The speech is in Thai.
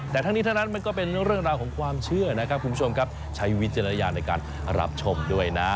แต่ทั้งนี้ทั้งนั้นมันก็เป็นเรื่องราวของความเชื่อนะครับคุณผู้ชมครับใช้วิจารณญาณในการรับชมด้วยนะ